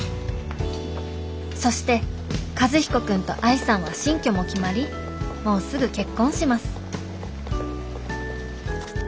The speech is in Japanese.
「そして和彦君と愛さんは新居も決まりもうすぐ結婚します」。